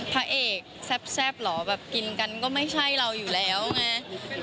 พระเอกแซ่บเหรอแบบกินกันก็ไม่ใช่เราอยู่แล้วไง